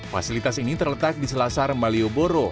fasilitas ini terletak di selasar malioboro